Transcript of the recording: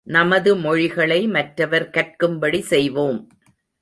நமது மொழிகளை மற்றவர் கற்கும்படி செய்வோம்!